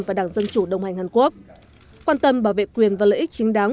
và đảng dân chủ đồng hành hàn quốc quan tâm bảo vệ quyền và lợi ích chính đáng